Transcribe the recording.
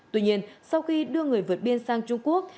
tuy nhiên sau khi đưa người vượt biên sang trung quốc